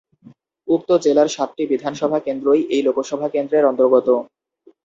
উক্ত জেলার সাতটি বিধানসভা কেন্দ্রই এই লোকসভা কেন্দ্রের অন্তর্গত।